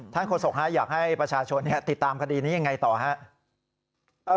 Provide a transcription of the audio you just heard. โฆษกอยากให้ประชาชนติดตามคดีนี้ยังไงต่อครับ